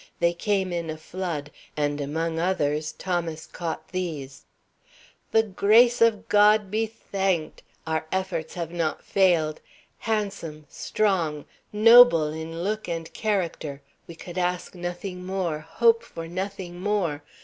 They came in a flood, and among others Thomas caught these: "The grace of God be thanked! Our efforts have not failed. Handsome, strong, noble in look and character, we could ask nothing more, hope for nothing more.